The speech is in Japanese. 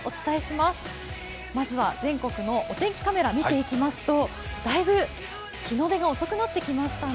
まずは全国のお天気カメラ見ていきますと、だいぶ日の出が遅くなってきましたね。